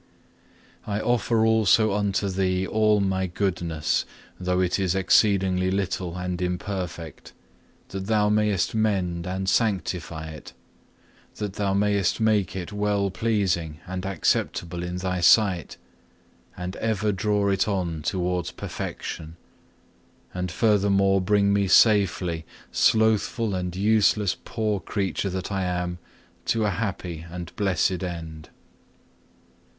4. I offer also unto Thee all my goodness, though it is exceedingly little and imperfect, that Thou mayest mend and sanctify it, that Thou mayest make it well pleasing and acceptable in Thy sight, and ever draw it on towards perfection; and furthermore bring me safely, slothful and useless poor creature that I am, to a happy and blessed end.